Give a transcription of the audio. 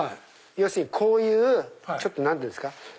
要するにこういうちょっと何て言うんですか。